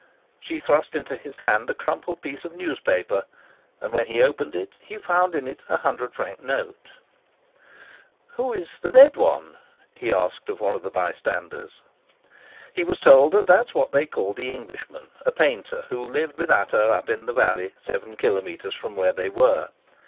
She thrust into his hand a crumpled piece of newspaper, and when he opened it he found in it a hundred franc note. "Who is the Red One?" he asked of one of the bystanders. He was told that that was what they called the Englishman, a painter, who lived with Ata up in the valley seven kilometres from where they were.